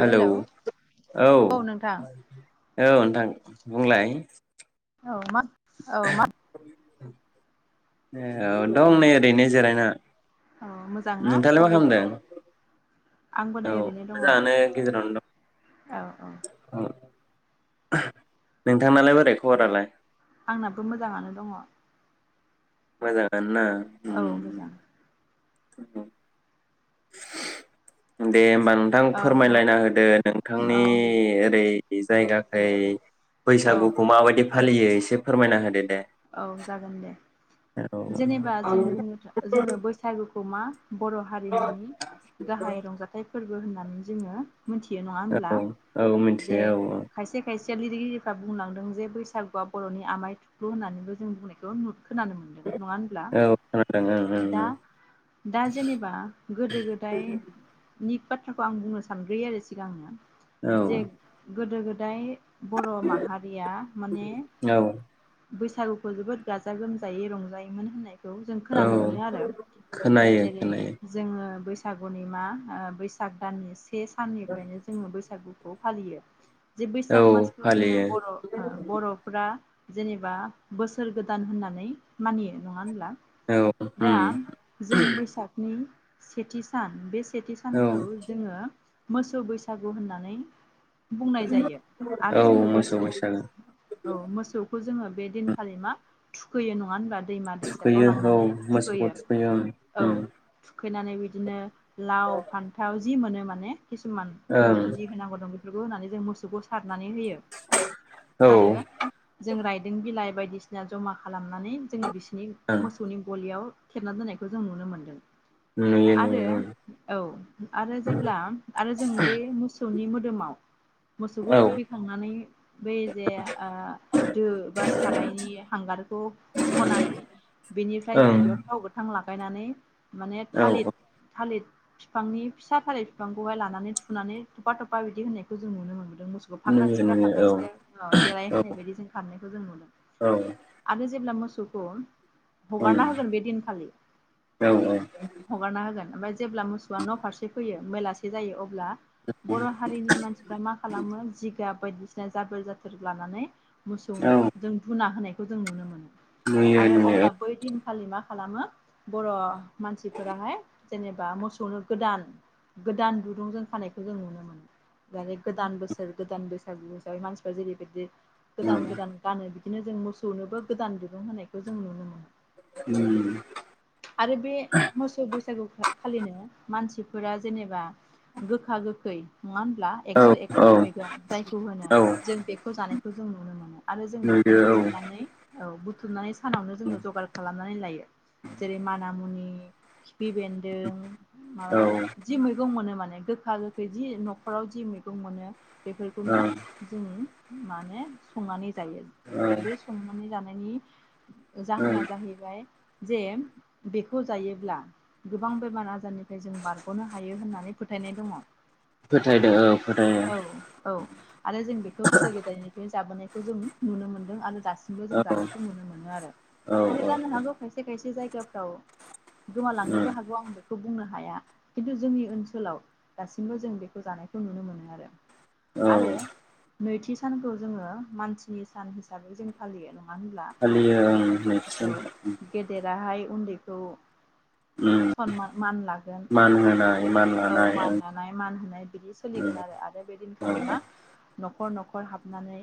Hello औ। नोंथां औ नोंथां बुंलाय। औ मा औ मा औ दं नै ओरैनो जिरायना। औ मोजांना नोंथाङालाय मा खालामदों खबरफोरा? आंबो औ नै ओरैनो दङ। मोजाङानो गेजेरावनो दं औ औ नोंथांनालाय बोरै खबरालाय? आंनाबो मोजाङानो दङ। मोजा [unintelligible] औ मोजां [inaudible] दे होमबा नोंथां औ फोरमायलायना होदो औ नोंथांनि ओरै बे जायगाखै औ बैसागुखौ माबायदि फालियो एसे फोरमायना होदो? दे औ जागोन दे। औ जेनेबा जों बुंनो जोङो बैसागुखौ मा बर हारिमुनि गाहाय रंजाथाइ फोरबो। फोरबो होननानै जोङो मोनथियो नङा होनब्ला? औ औ जे मिथियो औ खायसे खायसे लिरगिरिफ्रा बुंलांदों जे बैसागुआ बरनि आमाय थु थुख्ल होननानैबो जों बुंनायखौ नु खोनानो मोनदों नङा होनब्ला? औ खोनादों ओं दा दा जेनेबा गोदो गोदायनि बाथ्राखौ आं बुंनो सानग्रयो आरो सिगांनो। ओं ओं जे गोदो गोदा फ्राय बर माहारिया माने। औ बैसागुखौ जोबोद गाजा गोमजायै रंजायोमोन होननाय खौ जों औ खोनानो मोनो आरो खोनायो जेरै खोनायो जोङो बैसाग बैसागुनि मा बैसाग दाननि से से साननिफ्रायनो जोङो बैसागु खौ फालियो। जे औ बैसाग मासखौ जोङो फालियो बर ओ बरफ्रा जेनेब बा बोसोर गोदान होननानै मानियो नङा होनब्ला? औ दा उम जों बैसागनि सेथि सान बे सा सेथि औ सानखौ जोङो मोसौ बैसागु होननानै। बुंनाय जायो आरो औ जोङो मोसौ बैसागो मोसौखौ जोङो बे दिनखालि मा थुखैयो नङा होनबा? दैमा दैसाफ्राव थुखैयो औ लांनानै मोसौखौ ओं थुखैयो उम थुखैनानै बिदिनो लाव फान्थाव जि माोनो माने किसुमान ओं बस्थु जि होंनांगौ दं बेफोरखौ होननानै जों मोसौखौ सार नानै होयो औ आरो ओं जों राय बिलाइ बायदिसिना जमा खालामनानै जोङो बिसोर नि मोसौनि गलियाव थेबना दोननायखौ जों नुनो मोन्दों। नुयो आरो नुयो आरो जेब्ला आरो जों बै मोसौनि मो एमाव मोसौखौ ओं थुखैखांनानै बै जे ओ दो बा सारायनि हांगारखौ हखनानै बेनिफ्राय औ जों ओं बेयाव थाव गोथां लागायनानै माने औ थालिद थालिद फिफांनि फिसा फारि फिफांखौहाय लानानै थुनानै थफफा थफफा बिदि होननायखौ जों नुनो मोनबाय मोसौखौ फाख्रा नुयो सिख्रा नुयो फाख्रा औ सिख्रा देलाय औ होनाय बायदि जों खा [unintelligible] आरो औ ओं जों जेब्ला मोसौखौ औ हगारना होगोन बे दिनखालि औ औ हगारना होगोन ओमफाय जेब्ला मोसौआ न' फारसे फैयो बेलासे जायो अब्ला बर हारिनि मानसिफ्रा मा खालामो जि जा बायदिसिना जाबोर जाथोर लानानै जों धुना होनाय खौ जों नुनो मोनो नुयो आरो नुयो अब्ला ओं बैदिन खालि मा खालामो बर मानसिफोराहाय जेनेबा मोसौनो गोदान गोदान दुरुंजों खानायखौ जों नुनो मोनो दा गोदान बोसोर गोदान बैसागु हिसाबै मानसिफ्रा जेरैबायदि उम गोदान गोदान गानो बिदिनो जों मोसौनोबो गोदान दुरुं होनायखौ जों नुनो मोनो उम आरो बे मोसौ बैसागु खालिनो मानसिफोरा जेनेबा गोखा गोखै नङा होनब्ला औ एकस' एकथा औ मैगं जायखौ होनो औ जों बेखौ जानाय खौ जों नुनो मोनो आरो जों बेखौ नुयो औ औ बुथुमनानै औ बुु [unintelligible] सानावनो जोङो जगार खालाम नानै लायो जेरै माना मुनि खि फि बेेन्दों माबाया ओं जि मैगं मोनो माने गोखा गोखै जि नखराव जि मैगं मोनो बेफोरखौनो ओं जों माने संनानै जायो ओं बे संनानै जानायनि जाहोना जाहैबाय जे बेखौ जायोब्ला गोबां बेमार आजारनिफ्राय जों बारग'नो हायो होननानै फोथायनाय दङ फोथायदो औ फोथायो औ आरो जों बेखौ गोदो गोदायनिफ्राय जाबोनाय। खौ जों नुनो मोनदों आरो दासिम सिमबो जों औ औ जानायखौ नुनो मोनो आरो खिन्थु औ जानो हागौ खायसे खायसे जायगाफ्राव ओं गोमालांनोबो हागौ आं बेखौ बुंनो हाया खिन्थु जोंनि ओनसोलाव दासिमबो जों बेखौ जानायखौ नुनो मोनो आरो आरो औ नैथि सानखौ जोङो मानसिनि सान हिसाबै जों फालियो नङा होनब्ला फालियो ओं जेरै नैथिजों गेदेराहाय उन्दैखौ उम सनमान मानला मान होनाय मान औ लानाय मान लानाय मान होना नाय बिदि ओं सोलिगोन आरो बे दिनखालि मा नखर नखर हाबनानै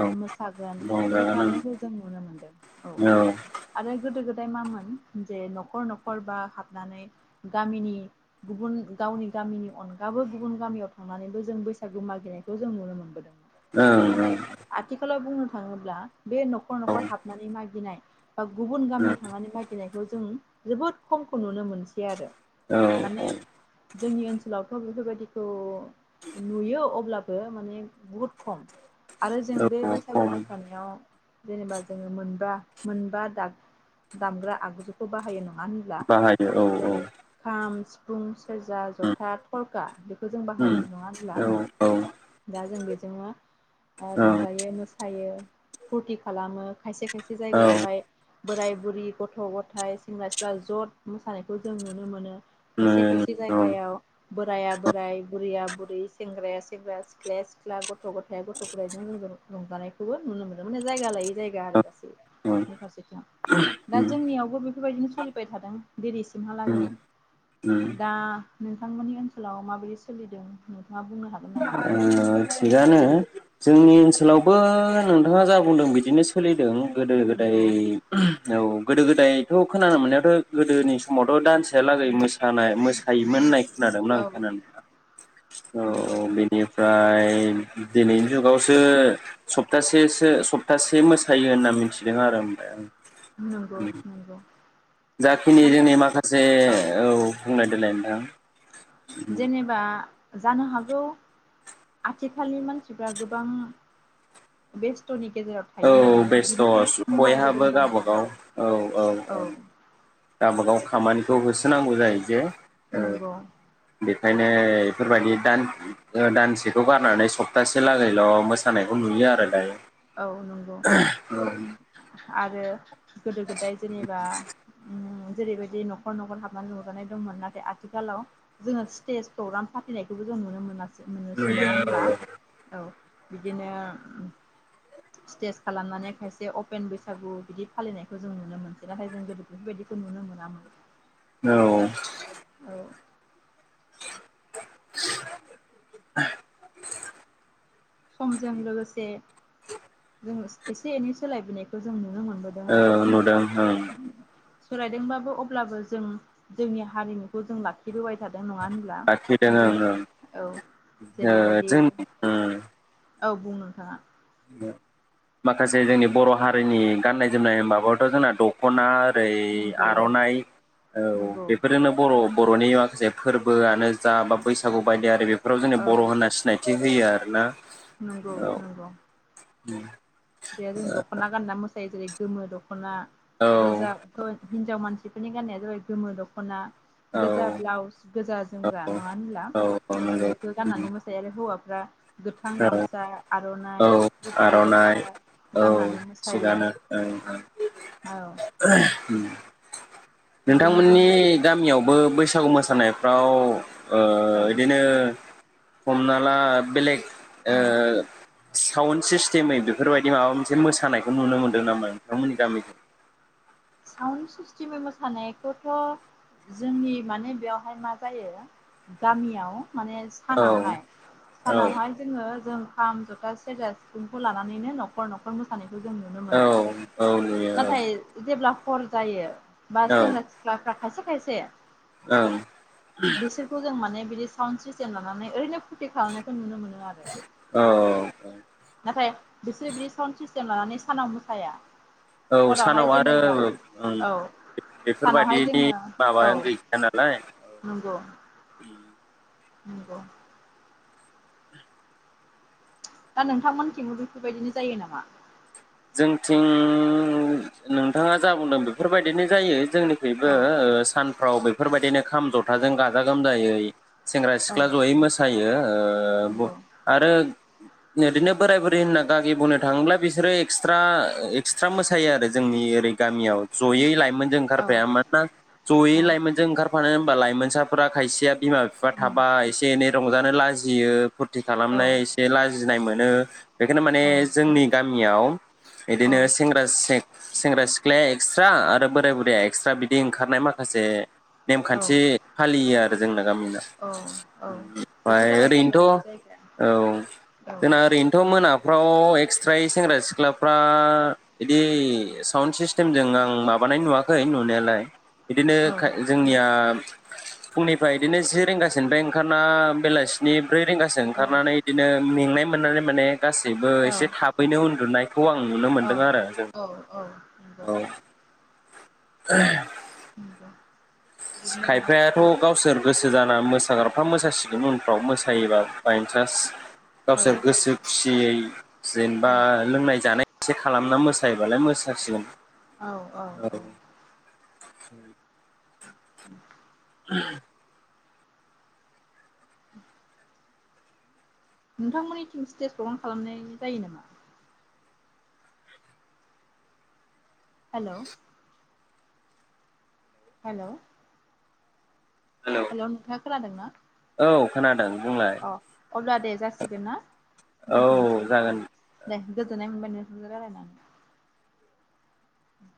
ओं मोसागोन औ बिदि रंजागोन खालामनायखौ जों नुनो मोनदों औ ओं आरो गोदो गोदाय मामोन जे नखर नखर बा हाबनानै गामिनि गुबुन गावनि गामिनि अनगाबो गुबुन गामियाव थांनानैबो जों बैसागु मागिनायखौ जों नुनो मोनबोदों। औ ओं ओं नाथाय आथिखालाव बुंनो थाङोब्ला बे नखर नखर हाबनानै मागिनाय बा गुबुन गामियाव थांनानै मागिनायखौ जों जोबोद खमखौ नुनो मोनसै आरो औ माने जोंनि ओनसोलावथ' बेफोरबायदिखौ नुयो अब्लाबो माने बहुद खम आरो जों औ बे औ बैसागु खम मोसानायाव जेनेबा जोङो मोनबा मोनबा दग दामग्रा आगजुखौ बाहायो न मानो होनब्ला बाहायो औ औ जेरै खाम, सि सिफुं सेरजा उम जथा थरखा बेखौ जों उम बाहायो नङा होनब्ला? औ औ दा जों बेजोंनो ओ औ रंजायो मोसायो फुरथि खालामो खायसे खायसे औ जायगायावहाय बोराय बुरि गथ' गथाइ सेंग्रा सिख्ला ज' मोसानायखौ जों नुनो मोनो खायसे खायसे जायगायाव बोराया बोराइ बुरैया बुरै सेंग्राया सेंग्राया सिख्लाया सिख्ला गथ‌' गथाया गथ [unintelligible] गाइजों लोगो रंजानायखौबो नुनो मोनदों माने जायगा लायै जायगा आरो गासै बे फारसेथिं दा जोंनियावबो बेफोरबायदिनो सोलिबाय थादों दिनिसिमहालागै। दा नोंथांमोननि ओनसोलाव माबायदि सोलिदों नोंथाङा बुंनो हागोन नामा? ओ थिगानो। जोंनि ओनसोलावबो नों नोङा जा बुंदों बिदिनो सोलिदों गोदो गोदाय नंगौ औ। गोदो गोदायथ' खोनानो मोननायाथ' गोदोनि समावथ' दानसेया लागै मोसा नाय मोसायोमोन होननाय खोनादोंमोन औ आं खोनानाया नंगौ औ बेनिफ्राय ए दिनैनि जुगावसो सप्तासेसो सप्तासे मोसायो होनना मिथिदों आरो ओमफाय आं। नंगौ [unintelligible] नंगौ जाखिनि माने जोंनि माखासे औ बुंनाय देलाय [unintelligible] जेनेबा जानो हागौ आथिखालनि मानसिफ्रा गोबां बेस्थनि गेजेराव औ थायो नालाय बेस्थ‌‌ बिनिखायनो खमायबोदों बयहाबो जानो गावबागाव हागौ औ औ औ। गावबागाव खामानिखौ होसोनांगौ जायो जे नंगौ ओंखायनो बेफोरबायदि दान दानसेखौ गारनानै सप्तासे लागैल मोसानायखौ नुयो आरो दायो। औ नंगौ [unintelligible] आरो गोदो गोदाय जेनेबा [unintelligible] जेरैबायदि नखर नखर हाबनानै रुजानाय दंमोन नाथाय आथिखालाव जोङो स्टेज प्रग्राम फाथिनायखौबो जों नुनो मोनासै। मोननोसो नङा नुयो होनोमब्ला? औ बिदिनो उम स्टेज खालामनानै खायसे अपेन बैसागु बिदि फालिनायखौ जों नुनो मोनफेराखै जों गोदो बेफोरबायदिखौ नुनो मोनामोन औ औ [unintelligible] समजों लोगोसे जोङो एसे एनै सोलायबोनायखौ जों नुन औ नुदों औ सोलायदोंबाबो अब्लाबो जों जोंनि हारिमुखौ जों लाखिबोबाय थादों नङा होनब्ला लाखिदों जों ओं ओं औ ओ जेरैबायदि जों ओ औ बुं नोंथाङा माखासे जोंनि बर' हारिनि गान्नाय जोमनाय माबायावथ' जोंना दखना ओरै नंगौ आर'नाइ औ नंगौ बेफोरजोंनो बर'-बर'नि म माखासे फोरबोआनो जा बा बैसागु बायदि आरि बे फोराव जोंनो औ बर' होनना सिनायथि होयो आरो ना नंगौ नंगौ उम दे जों दख'ना गानना मोस जाय जेरै गोमो द खना औ गोजा ह-हिनजाव मानसि बेफोरनि गाननाया जाबाय गोमो दख'ना गोजा औ ब्लाउस गोजा जोमग्रा औ नङा होनब्ला औ औ जों नंगौ बेखौ गाननानै मोसायो आरो हौवा दा गोथां औ गामसा आरनाइ औ गुफुर आर'नाइ गस्ला औ गाननानै मोसायो थिगानो ओं ओं औ [unintelligible] उम बिदिनो नोंथांमोननि जोंनि गामियावबो बैसा बैसागु मोसानायफ्राव ओ औ औ इदिनो हमना ला बेलेग ओ साउन्ड सिस्टेमै बेफोरबायदि माबा मोनसे मोसानायखौ नुनो मोनदों ना मोना नोंथांमोननि गामिखै साउन्ड सिस्टेमै मोसानायखौथ' जोंनि माने बेवहाय मा जायो गामियाव माने सानावहाय औ औ सानावहाय जोङो जों खाम जथा सेरा सिफुंखौ लानानैनो न'खर न'खर मोसानायखौ जों नुनो औ मोनो औ नुयो नाथाय जेब्ला हर जायो बा औ ओं सेंग्रा सिख्लाफ्रा खायसे खायसे ओं बिसोरखौ जों माने दि साउन्ड सिस्टेम लानानै ओरैनो फुरति खालामनायखौ नुनो मोनो आरो औ नाथाय बिसोरो बिदि साउन्ड सिस लानानै सानाव मोसाया औ हरावहाय सानाव आ जेनेबा औ सानावहाय बेफोरबादिनि जोङो औ माबायानो गैखाया नालाय नंगौ नंंगौ दा नोंथांमोनखैबो बेफोरबायदिनो जायो नामा जोंथिं नोंथाङा जा बुंदों बेफोरबायदिनो जायो जोंनिखैबो औ ओ सानफ्राव बेफो बेफोरबायदिनो खाम जथाजों गाजा गोमजायै सेंग्रा औ सिख्ला जयै मोसायो ओ नंगौ आरो दिनो बोराय बुरै होनना गागि बुंनो थाङोब्ला बिसोरो ए एक्सट्रा एक्सट्रा मोसायो आरो जोंनि ओरै गामियाव जयै लाइमोन लाइमोनजों औ ओंखारफाया मानोना जयै अ लाइमोनजों ओंखारफानो लाइमोनसाफोरा खायसेया बिमा बिफा उम थाबा एसे एनै रंजानो लाजियो फुरथि औ खालामनाय एसे लाजिनाय मोनो बेखायनो माने औ जोंनि गामियाव औ बिदिनो सेंग्रा सें सेंग्रा सिख्लाया एक्सट्रा आरो बोराय बुरैया एक्सट्रा बिदि ओंखारनाय माखासे औ नेमखान्थि फालियो आरो गोजोंनों गामिना औ औ बेफोर ओमफ्राय जाबाय ओरैनोथ' जायगा लायै जायगा औ औ जोंना ओरैनोथ' मोनाफ्राव [unintelligible] एक्सट्रायै सेंग्रा सिख्ला फ्रा बिदि साउन्ड सिस्टेमजों आं माबानाय नुवाखै नुनायालाय बिदिनो औ खाय जोंनिया फुंनिफ्राय बिदिनो जि रिंगासिनफाय ओंखारना बेलासिनि ब्रै रिंगासो औ ओंखारनानै बिदिनो मेंनाय मोननानै माने गासैबो औ एसे थाबैनो उनदुनाय आं नुनो औ मोनदों आरो जों औ औ नंगौ औ [unintelligible] उ दे खायफायाथ गावसोर गोसो जाना मोसाग्राफ्रा मोसासि बिनो उनफ्राव मोसायोबा बाइनट्रास औ गावसोर गोसो खुसियै जेनेबा औ लोंनाय जानाय एसे खालामना मोसायोबालाय मोसासिगोन औ- औ -औ [inaudible] [inaudible] [unintelligible] [inaudible] नोंथांमोननिथिं स्टेज प्रग्राम खालामनाय जायो नामा हेल' हेलौ हेलौ नोंथाङा खोनादों ना? औ खोनादों। बुंलाय अ अब्ला दे जासिगोन ना दोनथ'नोसै औ जागोन। दे गोजोननाय मोनबाय नोंथां जों रायलायनानै